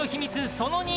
その２